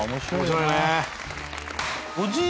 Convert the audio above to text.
面白いね。